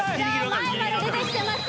前まで出てきてます